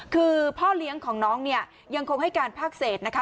คือพ่อเลี้ยงของน้องเนี่ยยังคงให้การภาคเศษนะคะ